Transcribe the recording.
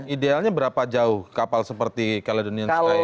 idealnya berapa jauh kapal seperti caledonian sky kapal pesiar itu